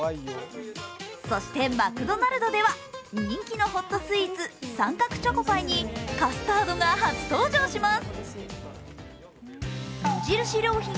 そしてマクドナルドでは、人気のホットスイーツ、三角チョコパイにカスタードが初登場します。